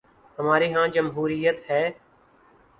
ہمارے ہاں جمہوریت ہے۔